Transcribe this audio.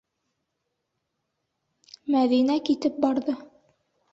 Мәҙинә китеп барҙы.